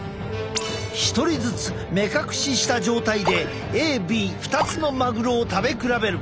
１人ずつ目隠しした状態でＡＢ２つのマグロを食べ比べる。